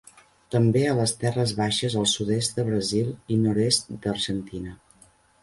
També a les terres baixes al sud-est de Brasil i nord-est d'Argentina.